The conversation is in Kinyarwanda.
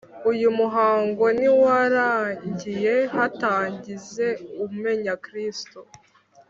. Uyu muhango ntiwarangiye hatagize umenya Kristo